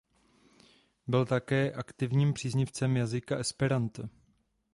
Byl také aktivním příznivcem jazyka esperanto.